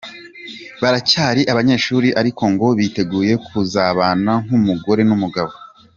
Baracyari abanyeshuri ariko ngo biteguye kuzabana nk’umugore n’umugabo.